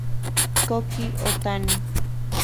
Koki Otani